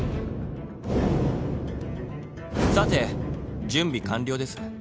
さて準備完了です。